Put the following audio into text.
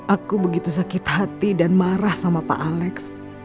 aku begitu sakit hati dan marah sama pak alex